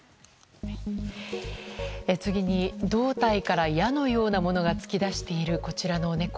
次に胴体から矢のようなものが突き出しているこちらの猫。